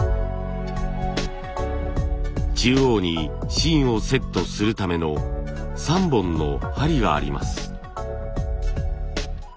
中央に芯をセットするための３本の針があります。